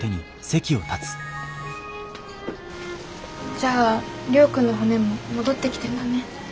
じゃあ亮君の船も戻ってきてんだね。